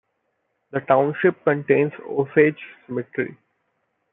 The township contains Osage Cemetery.